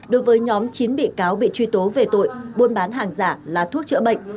đối với nhóm chín bị cáo bị truy tố về tội buôn bán hàng giả là thuốc chữa bệnh